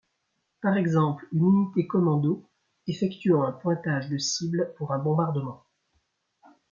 Par exemple une unité commando effectuant un pointage de cible pour un bombardement.